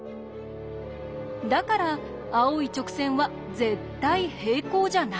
だから青い直線は絶対平行じゃないんです。